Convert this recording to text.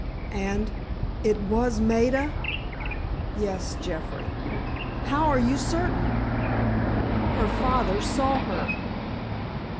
"And—it was Maida?" "Yes, Jeffrey." "How are you certain?" "Her father saw her."